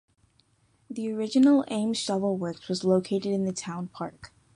The original Ames Shovel Works was located in the Town Park.